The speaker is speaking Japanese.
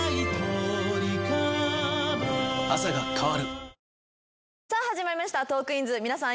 新しい「本麒麟」始まりました『トークィーンズ』皆さん